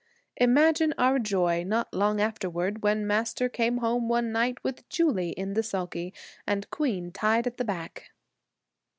Imagine our joy, not long afterward, when Master came home one night with Julie in the sulky and Queen tied at the back.